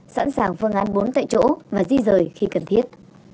sẵn sàng phương án bốn tại chỗ và di rời khi cần thiết